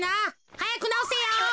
はやくなおせよ。